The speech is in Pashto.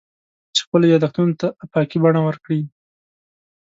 چې خپلو یادښتونو ته افاقي بڼه ورکړي.